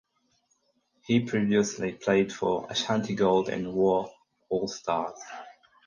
He previously played for Ashanti Gold and Wa All stars.